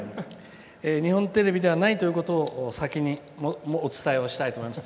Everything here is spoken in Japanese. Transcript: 日本テレビではないということを先にお伝えをしたいと思います。